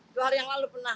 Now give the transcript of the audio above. dua hari yang lalu pernah